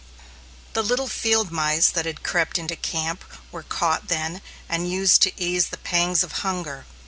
The little field mice that had crept into camp were caught then and used to ease the pangs of hunger.